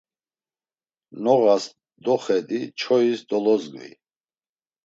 Noğas doxedi, çois dolozgvi.